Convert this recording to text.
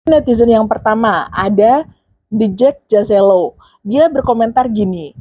netizen yang pertama ada dijek jazelo dia berkomentar gini